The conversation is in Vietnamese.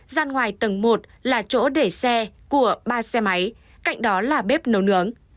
gian ngoài tầng một là chỗ để xe của ba xe máy cạnh đó là bếp nấu nướng